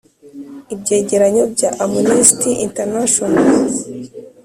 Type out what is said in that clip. ibyegeranyo bya amnesty international